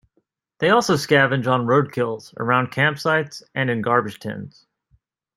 They also scavenge on road-kills, around campsites, and in garbage tins.